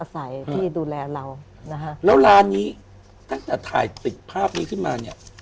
ใส่ที่ดูแลเรานะฮะแล้วร้านนี้ตั้งแต่ถ่ายติดภาพนี้ขึ้นมาเนี่ย